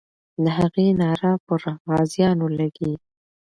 د هغې ناره پر غازیانو لګي.